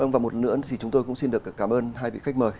và một nữa thì chúng tôi cũng xin được cảm ơn hai vị khách mời